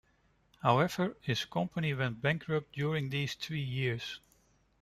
However, his company went bankrupt during these three years.